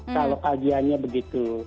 kalau kajiannya begitu